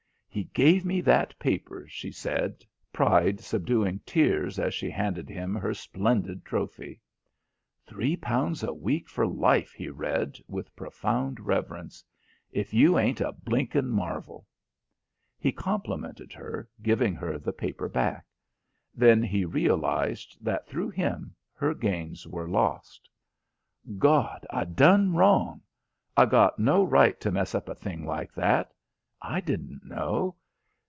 "He gave me that paper," she said, pride subduing tears as she handed him her splendid trophy. "Three pounds a week for life," he read, with profound reverence. "If you ain't a blinkin' marvel." He complimented her, giving her the paper back. Then he realised that, through him, her gains were lost. "Gawd, I done wrong. I got no right to mess up a thing like that. I didn't know.